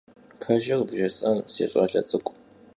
Pejjır bjjês'en, si ş'ale ts'ık'u?